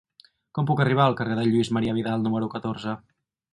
Com puc arribar al carrer de Lluís Marià Vidal número catorze?